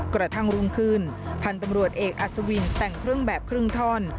กระทั่งรุ่งขึ้นพันธุ์ตำรวจเอกอัศวินแต่งเครื่องแบบครึ่งท่อน